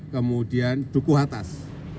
kemudian duku hatas